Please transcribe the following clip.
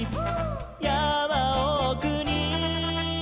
「やまおくに」